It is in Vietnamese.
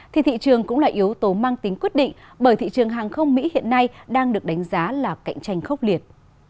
thì thị trường cũng là yếu tố mang tính quyết định bởi thị trường hàng không mỹ hiện nay đang được đánh giá là cạnh tranh khốc liệt